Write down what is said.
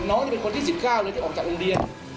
น้องนี่เป็นคนที่๑๙เลยที่ออกจากโรงเรียน